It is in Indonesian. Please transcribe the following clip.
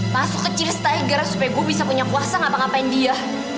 masuk ke cheers tiger supaya gue bisa punya kuasa ngapa ngapain dia